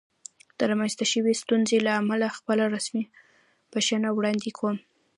د رامنځته شوې ستونزې له امله خپله رسمي بښنه وړاندې کوم.